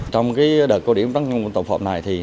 trong đợt cố định vắng chung tổng phòng này